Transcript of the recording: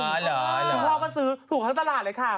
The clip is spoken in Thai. พี่พ่อก็สือถูกทั้งตลาดเลยค่ะ